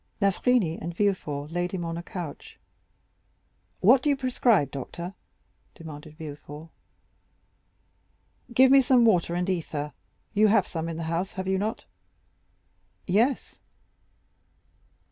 D'Avrigny and Villefort laid him on a couch. "What do you prescribe, doctor?" demanded Villefort. "Give me some water and ether. You have some in the house, have you not?" "Yes."